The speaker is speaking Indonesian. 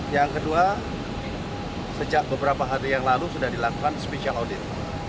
yang kedua sejak beberapa hari yang lalu sudah dilakukan special audit